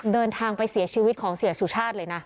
เดินทางไปเสียชีวิตของเสียสุชาติเลยนะ